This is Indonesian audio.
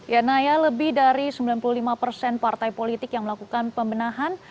ya naya lebih dari sembilan puluh lima persen partai politik yang melakukan pembenahan